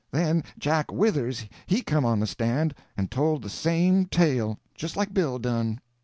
Then Jack Withers he come on the stand and told the same tale, just like Bill done.